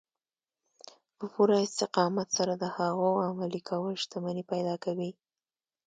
په پوره استقامت سره د هغو عملي کول شتمني پيدا کوي.